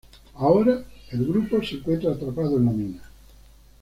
Ahora el grupo se encuentra atrapado en la mina.